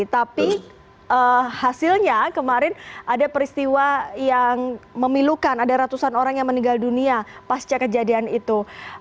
tapi hasilnya kemarin ada peristiwa yang memilukan ada ratusan orang yang meninggal dunia pasca kejadian itu